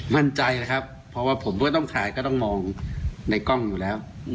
มั่นใจแล้วครับเพราะว่าผมก็ต้องคลายก็ต้องมองในกล้องอยู่แล้ว